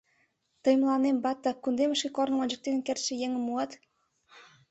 — Тый мыланем Батта кундемышке корным ончыктен кертше еҥым муат?..